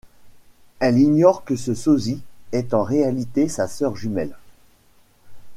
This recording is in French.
Elle ignore que ce sosie est en réalité sa sœur jumelle.